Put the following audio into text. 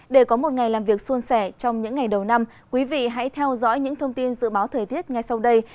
để có một ngày làm việc xuân sẻ trong những ngày đầu năm quý vị hãy theo dõi những thông tin dự báo thời tiết ngay sau đây